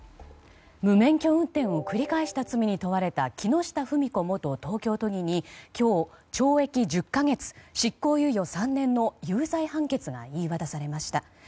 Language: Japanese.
無免許運転を繰り返した罪に問われた木下富美子元東京都議に今日懲役１０か月、執行猶予３年の有罪判決が言い渡されました。